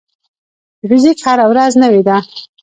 د فزیک هره ورځ نوې ده.